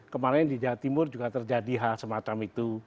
kemarin di jawa timur juga terjadi hal semacam itu